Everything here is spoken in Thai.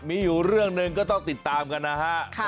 มีอยู่เรื่องหนึ่งก็ต้องติดตามกันนะฮะ